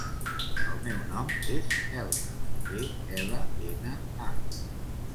El meu nom és Elna: e, ela, ena, a.